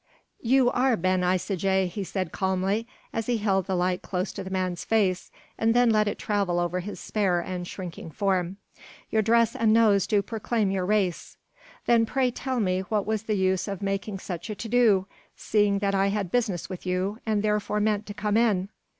"You are Ben Isaje," he said calmly, as he held the light close to the man's face and then let it travel over his spare and shrinking form; "your dress and nose do proclaim your race. Then pray tell me what was the use of making such a to do, seeing that I had business with you and therefore meant to come in....